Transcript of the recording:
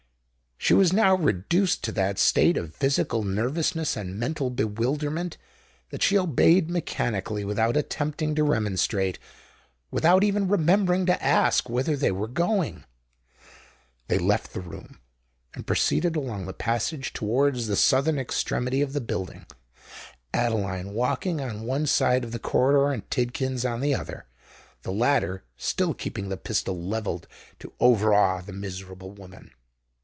She was now reduced to that state of physical nervousness and mental bewilderment, that she obeyed mechanically, without attempting to remonstrate—without even remembering to ask whither they were going. They left the room, and proceeded along the passage towards the southern extremity of the building,—Adeline walking on one side of the corridor, and Tidkins on the other—the latter still keeping the pistol levelled to over awe the miserable woman.